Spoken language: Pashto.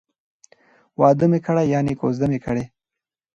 واده می کړی ،یعنی کوزده می کړې